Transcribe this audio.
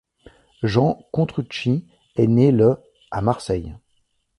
Jean Contrucci est né le à Marseille.